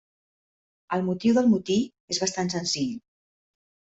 El motiu del motí és bastant senzill.